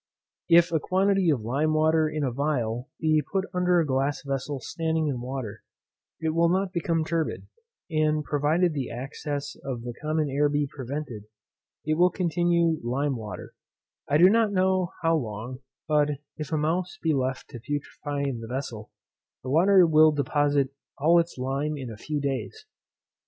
If a quantity of lime water in a phial be put under a glass vessel standing in water, it will not become turbid, and provided the access of the common air be prevented, it will continue lime water, I do not know how long; but if a mouse be left to putrefy in the vessel, the water will deposit all its lime in a few days.